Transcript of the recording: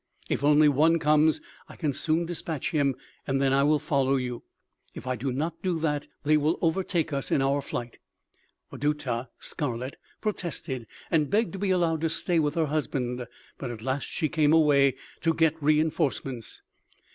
If only one comes, I can soon dispatch him and then I will follow you. If I do not do that, they will overtake us in our flight.' "Wadutah (Scarlet) protested and begged to be allowed to stay with her husband, but at last she came away to get re inforcements.